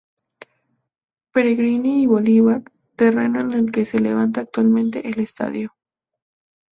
Pellegrini y Bolívar, terreno en el que se levanta actualmente el estadio.